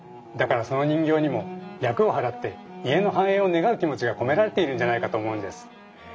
だからその人形にも厄をはらって家の繁栄を願う気持ちが込められているんじゃないかと思うんです。